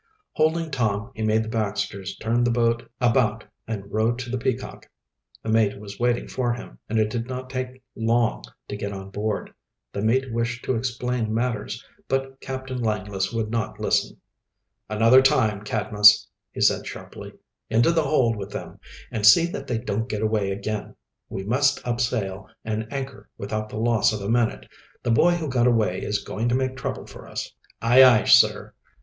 Holding Tom, he made the Baxters turn the boat about and row to the Peacock. The mate was waiting for him, and it did not take long to get on board. The mate wished to explain matters, but Captain Lawless would not listen. "Another time, Cadmus," he said sharply. "Into the hold with them, and see they don't get away again. We must up sail and anchor without the loss of a minute. That boy who got away is going to make trouble for us." "Aye, aye, sir!"